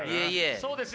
そうですね。